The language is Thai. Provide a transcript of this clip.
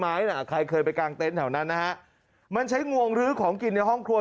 น่ะใครเคยไปกางเต็นต์แถวนั้นนะฮะมันใช้งวงลื้อของกินในห้องครัว